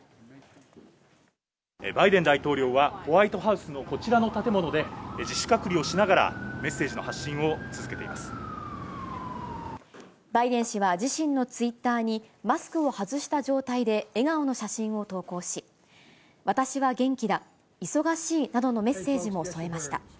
バイデン大統領は、ホワイトハウスのこちらの建物で、自主隔離をしながら、バイデン氏は自身のツイッターに、マスクを外した状態で笑顔の写真を投稿し、私は元気だ、忙しいなどのメッセージも添えました。